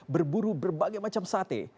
berburu berbagai macam sate